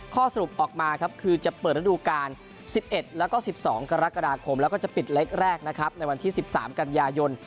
ข้อสรุปออกมาครับคือจะเปิดระดูการ๑๑แล้วก็๑๒กรกฎาคมแล้วก็จะปิดเล็กแรกนะครับในวันที่๑๓กันยายน